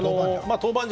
豆板醤。